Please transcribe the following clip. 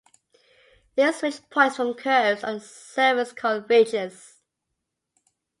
These ridge points form curves on the surface called ridges.